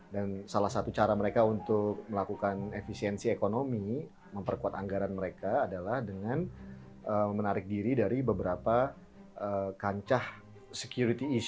dan salah satu cara mereka untuk melakukan efisiensi ekonomi memperkuat anggaran mereka adalah dengan menarik diri dari beberapa kancah sekuritas